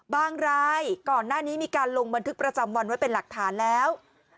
รายก่อนหน้านี้มีการลงบันทึกประจำวันไว้เป็นหลักฐานแล้ว